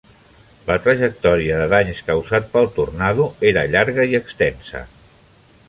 La trajectòria de danys causats pel tornado era llarga i extensa.